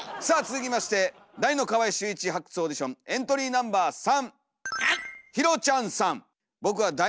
さあ続きまして「第二の川合俊一発掘オーディション」エントリーナンバー３。